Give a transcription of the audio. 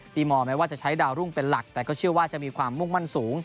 มองแม้ว่าจะใช้ดาวรุ่งเป็นหลักแต่ก็เชื่อว่าจะมีความมุ่งมั่นสูง